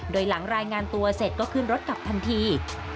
โดยหลังรายงานตัวเสร็จก็ขึ้นรถกลับทันที